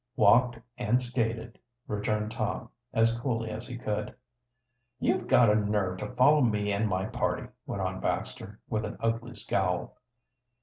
"Walked and skated," returned Tom, as coolly as he could. "You've got a nerve to follow me and my party," went on Baxter, with an ugly scowl.